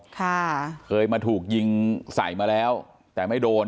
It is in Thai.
ค่ะเคยมาถูกยิงใส่มาแล้วแต่ไม่โดน